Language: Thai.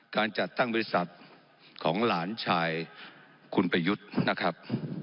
การจัดตั้งบริษัทของหลานชายคุณประยุทธ์นะครับ